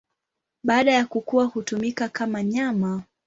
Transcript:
Baada ya kukua hutumika kama nyama.